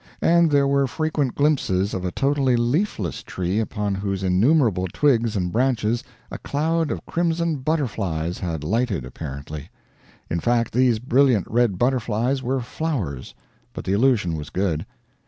And there were frequent glimpses of a totally leafless tree upon whose innumerable twigs and branches a cloud of crimson butterflies had lighted apparently. In fact these brilliant red butterflies were flowers, but the illusion was good.